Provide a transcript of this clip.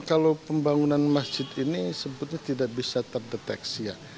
kalau pembangunan masjid ini sebetulnya tidak bisa terdeteksi ya